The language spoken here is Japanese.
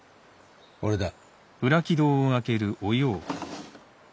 ・俺だ。